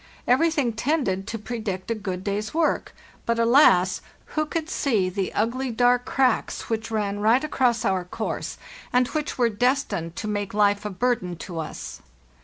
Everything tended to predict a good day's work; but, alas, who could see the ugly dark cracks which ran right across our course, and which were destined to make life a burden to us.